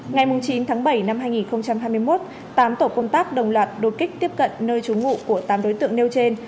ngày chín tháng bảy năm hai nghìn hai mươi một tám tổ công tác đồng loạt đột kích tiếp cận nơi trú ngụ của tám đối tượng nêu trên